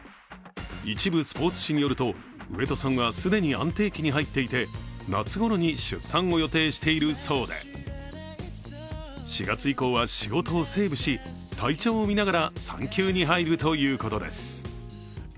一部スポーツ紙によると、上戸さんは既に安定期に入っていて夏頃に出産を予定しているそうで４月以降は仕事をセーブし、体調を見ながら産休に入るということです。